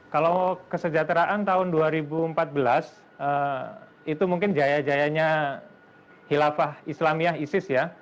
kalau kesejahteraan tahun dua ribu empat belas itu mungkin jaya jayanya hilafah islamiyah isis ya